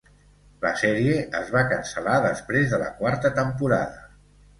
La sèrie es va cancel·lar després de la quarta temporada.